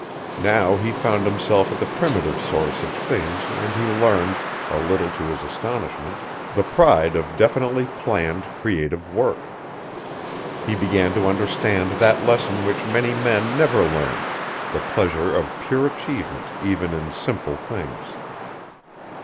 Now he found himself at the primitive source of things and he learned, a little to his astonishment, the pride of definitely planned creative work. He began to understand that lesson which many men never learn, the pleasure of pure achievement even in simple things.